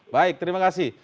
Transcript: baik terima kasih